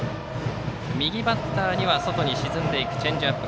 右バッターには外に沈んでいくチェンジアップ。